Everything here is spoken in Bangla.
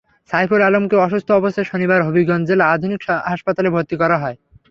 সাইফুল আলমকে অসুস্থ অবস্থায় শনিবার হবিগঞ্জ জেলা আধুনিক হাসপাতালে ভর্তি করা হয়।